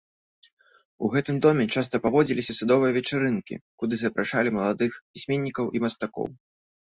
У гэтым доме часта праводзіліся садовыя вечарынкі, куды запрашалі маладых пісьменнікаў і мастакоў.